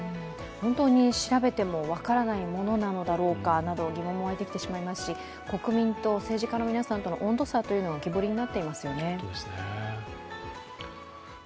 本当に調べても分からないものなのだろうか、疑問も沸いてきてしまいますし、国民と政治家の皆さんとの温度差が浮き彫りになっていますよね。